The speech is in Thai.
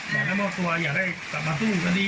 บอกให้มอบตัวอยากให้กลับมาสู้กันดี